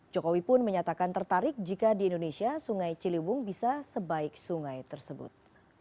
jokowi pun menyatakan tertarik jika di indonesia sungai ciliwung bisa sebaik sungai tersebut